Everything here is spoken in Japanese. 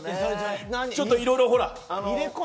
ちょっと、いろいろほら。